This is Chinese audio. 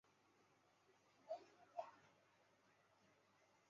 莱斯图尔雷莱。